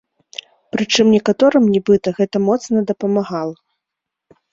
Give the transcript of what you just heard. Прычым некаторым, нібыта, гэта моцна дапамагала.